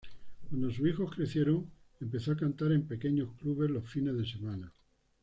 Cuando sus hijos crecieron empezó a cantar en pequeños clubes los fines de semana.